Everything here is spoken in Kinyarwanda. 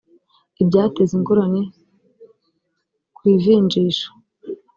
ibyateza ingorane ku ivinjisha